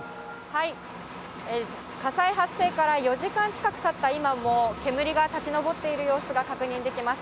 火災発生から４時間近くたった今も、煙が立ち上っている様子が確認できます。